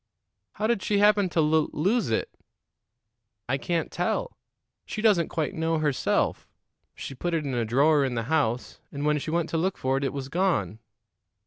"How did she happen to lul lose it?" "I can't tell. She doesn't quite know herself. She put it in a drawer in the house, and when she went to look for it, it was gone."